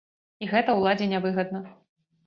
І гэта ўладзе не выгадна.